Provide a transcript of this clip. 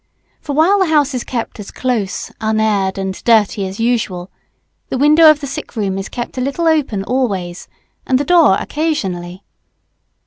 For while the house is kept as close, unaired, and dirty as usual, the window of the sick room is kept a little open always, and the door occasionally.